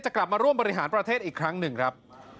กลับมาร่วมบริหารประเทศอีกครั้งหนึ่งครับ